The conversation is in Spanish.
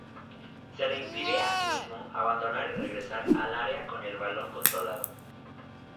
Se le impide, asimismo, abandonar y regresar al área con el balón controlado.